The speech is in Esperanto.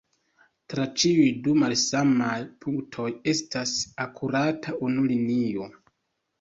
Tra ĉiuj du malsamaj punktoj estas akurate unu linio.